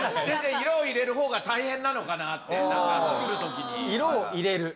色を入れるほうが大変なのかなって作る時に。